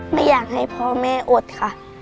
ไม่อยากให้พ่อแม่อดค่ะ